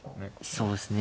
そうですね。